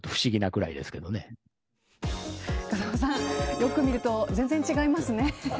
よく見ると、全然違いますね。